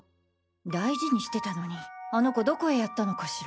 大事にしてたのにあの子どこへやったのかしら？